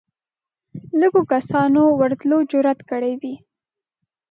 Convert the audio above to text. لږو کسانو ورتلو جرئت کړی وي